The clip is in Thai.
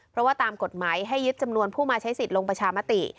เพราะว่าตามกฎหมายให้ยึดจำนวนผู้มาใช้สิทธิ์ลงประชามติ